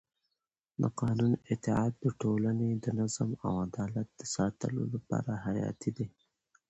د قانون اطاعت د ټولنې د نظم او عدالت د ساتلو لپاره حیاتي دی